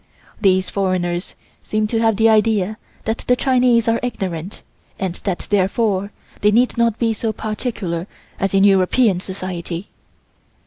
These foreigners seem to have the idea that the Chinese are ignorant and that therefore they need not be so particular as in European Society.